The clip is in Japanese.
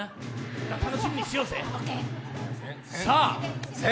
楽しみにしようぜ。